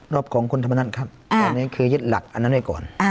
ของคุณธรรมนัฐครับอันนี้คือยึดหลักอันนั้นไว้ก่อน